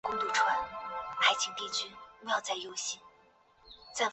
上帝之眼的概念有人认为是源自古埃及的荷鲁斯之眼。